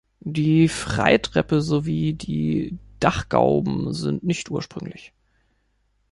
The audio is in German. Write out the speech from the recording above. Die Freitreppe sowie die Dachgauben sind nicht ursprünglich.